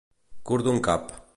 Curt d'un cap.